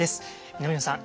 南野さん